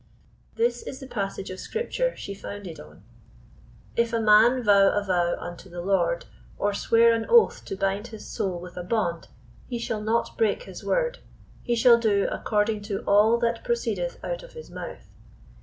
This is the passage of Scripture she founded on: "If a man vow a vow unto the Lord, or swear an oath to bind his soul with a bond; he shall not break his word, he shall do according to all that proceedeth out of his mouth.